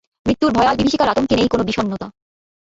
মৃত্যুর ভয়াল বিভীষিকার আতঙ্কে নেই কোন বিষন্নতা।